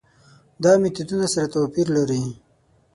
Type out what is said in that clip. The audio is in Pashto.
دا میتودونه سره توپیر لري.